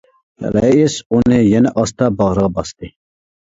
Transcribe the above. رەئىس ئۇنى يەنە ئاستا باغرىغا باستى.